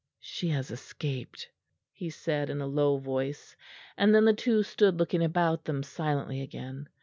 "She has escaped," he said in a low voice; and then the two stood looking about them silently again.